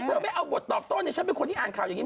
ถ้าไปเธอไม่เอาบทตอบต้นฉันเป็นคนที่อ่านข่าวอย่างนี้